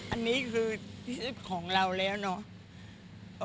อันนี้คือที่สุดของเราแล้วเนาะ